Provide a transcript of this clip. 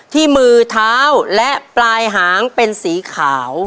ที่มือเท้าและปลายหางเป็นสีขาว